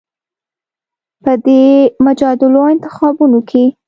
په دې مجادلو او انتخابونو کې